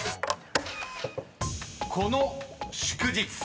［この祝日］